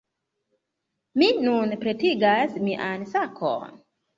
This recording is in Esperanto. Mi nun pretigas mian sakon.